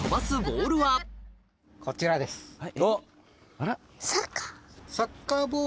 あら。